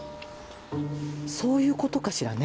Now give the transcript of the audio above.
そういう事かしらね。